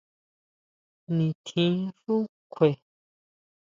Nintjin xú kjue.